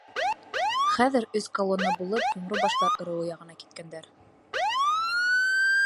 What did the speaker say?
Хәҙер өс колонна булып Йомро баштар ырыуы яғына киткәндәр.